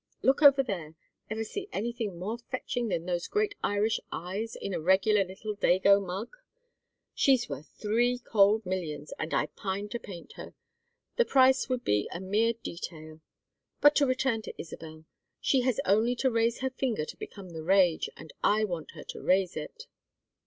Look over there. Ever see anything more fetching than those great Irish eyes in a regular little Dago mug? She's worth three cold millions and I pine to paint her. The price would be a mere detail. But to return to Isabel. She has only to raise her finger to become the rage, and I want her to raise it."